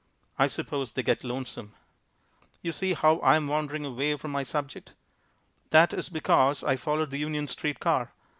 I suppose they get lonesome. You see how I am wandering away from my subject. That is because I followed the Union street car.